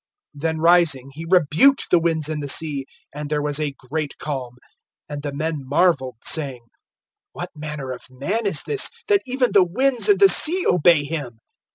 Then rising, he rebuked the winds and the sea; and there was a great calm. (27)And the men marveled, saying: What manner of man is this, that even the winds and the sea obey him!